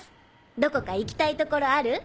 どこか行きたい所ある？